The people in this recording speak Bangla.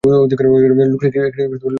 লোকটি কি তাকে ছেড়ে দেবে?